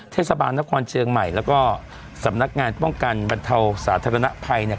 เทศบาลนครเชียงใหม่แล้วก็สำนักงานป้องกันบรรเทาสาธารณภัยเนี่ย